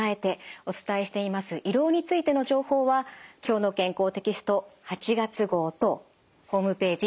お伝えしています胃ろうについての情報は「きょうの健康」テキスト８月号とホームページ